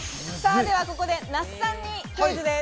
ではここで那須さんにクイズです。